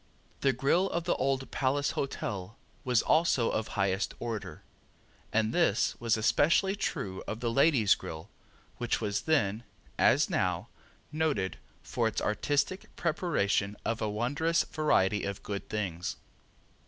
The grill of the Old Palace Hotel was also of highest order, and this was especially true of the Ladies' Grill which was then, as now, noted for its artistic preparation of a wondrous variety of good things.